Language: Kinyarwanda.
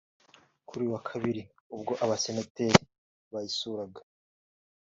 Kuri uyu wa Kabiri ubwo abasenateri bayisuraga